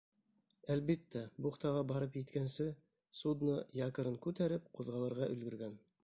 Әлбиттә, бухтаға барып еткәнсе, судно, якорын күтәреп, ҡуҙғалырға өлгөргән.